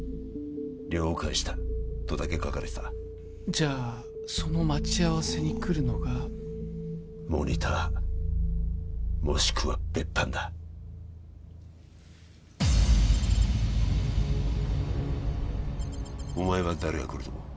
「了解した」とだけ書かれてたじゃあその待ち合わせに来るのがモニターもしくは別班だお前は誰が来ると思う？